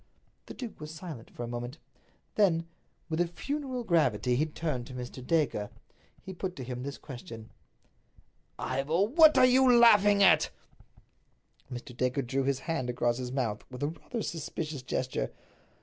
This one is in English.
The duke was silent for a moment. Then with funereal gravity he turned to Mr. Dacre. He put to him this question: "Ivor, what are you laughing at?" Mr. Dacre drew his hand across his mouth with rather a suspicious gesture.